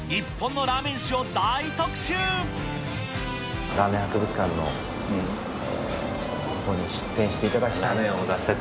ラーメン博物館のほうに出店していただきたいなと。